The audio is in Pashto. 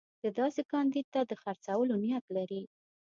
ده داسې کاندید ته د خرڅولو نیت لري.